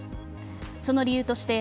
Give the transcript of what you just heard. その理由として